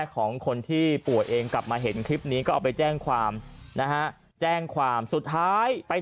ของคนที่ป่วยเองกลับมาเห็นคลิปนี้ก็เอาไปแจ้งความนะฮะแจ้งความสุดท้ายไป